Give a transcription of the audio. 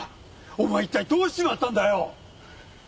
お前いったいどうしちまったんだよ！